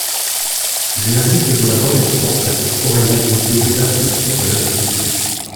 L'humanisme de la Renaissance a pour corrélat une exaltation de l'individu.